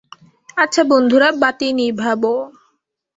আচ্ছা, বন্ধুরা, বাতি নিভাব।